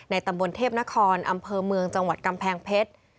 ตำบลเทพนครอำเภอเมืองจังหวัดกำแพงเพชร